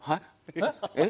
えっ？えっ？